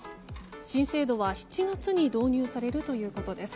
新制度は７月に導入されるということです。